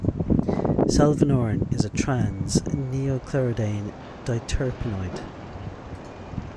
Salvinorin is a "trans"-neoclerodane diterpenoid.